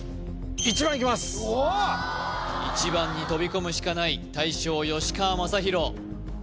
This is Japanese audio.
おお１番に飛び込むしかない大将吉川正洋